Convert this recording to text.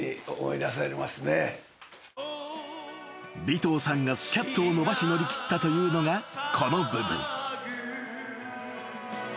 ［尾藤さんがスキャットを延ばし乗り切ったというのがこの部分］